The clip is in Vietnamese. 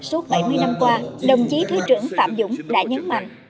suốt bảy mươi năm qua đồng chí thứ trưởng phạm dũng đã nhấn mạnh